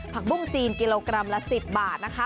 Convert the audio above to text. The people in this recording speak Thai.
บุ้งจีนกิโลกรัมละ๑๐บาทนะคะ